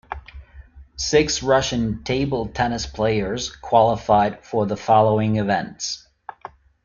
Six Russian table tennis players qualified for the following events.